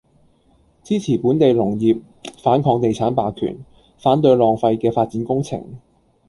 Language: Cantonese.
支持本地農業，反抗地產霸權，反對浪費嘅發展工程